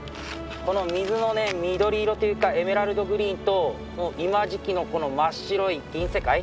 この水のね緑色というかエメラルドグリーンと今時期のこの真っ白い銀世界。